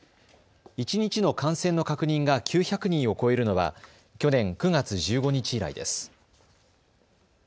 一日の感染の確認が９００人を超えるのは去年９月１５日以来です。